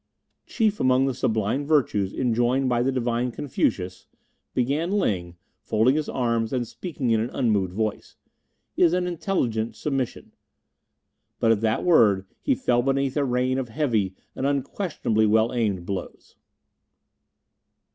"Chief among the sublime virtues enjoined by the divine Confucius," began Ling, folding his arms and speaking in an unmoved voice, "is an intelligent submission " but at that word he fell beneath a rain of heavy and unquestionably well aimed blows.